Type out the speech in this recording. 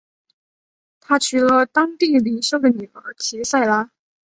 他娶了当地领袖的女儿吉塞拉。